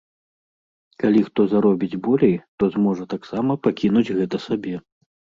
Калі хто заробіць болей, то зможа таксама пакінуць гэта сабе.